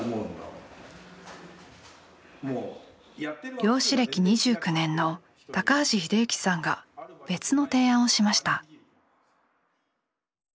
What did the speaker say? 漁師歴２９年の橋秀行さんが別の提案をしました。